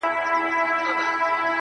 پرېږده د خوار ژوند ديوه گړي سخا واخلمه,